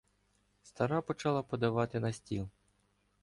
Стара почала подавати на стіл.